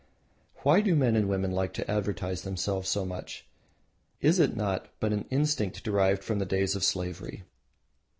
Why do men and women like to advertise themselves so much? Is it not but an instinct derived from the days of slavery?